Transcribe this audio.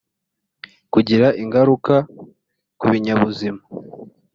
kugira ingaruka ku binyabuzima